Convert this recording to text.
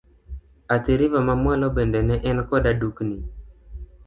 Athi River ma mwalo bende ne en koda dukni.